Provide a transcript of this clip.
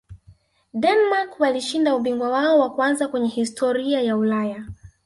denmark walishinda ubingwa wao wa kwanza kwenye historia ya ulaya